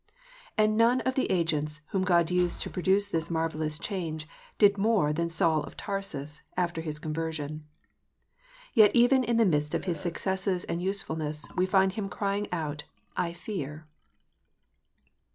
And none of the agents whom God used to produce this marvellous change did more than Saul of Tarsus, after his conversion. Yet even in the midst of his successes and usefulness we find him crying out, " I fear."